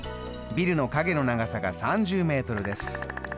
ビルの影の長さが３０ｍです。